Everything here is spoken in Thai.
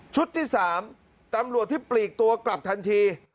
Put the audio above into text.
ที่๓ตำรวจที่ปลีกตัวกลับทันที